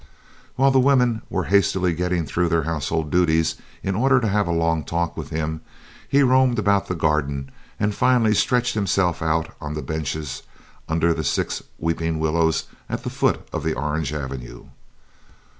While the women were hastily getting through their household duties in order to have a long talk with him, he roamed about the garden and finally stretched himself out on the benches under the six weeping willows at the foot of the orange avenue.